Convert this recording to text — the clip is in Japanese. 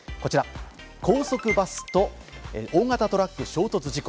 高速バスと大型トラック衝突事故。